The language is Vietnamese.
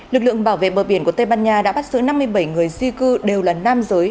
lực lượng bảo vệ bờ biển của tây ban nha đã bắt giữ năm mươi bảy người di cư đều là nam giới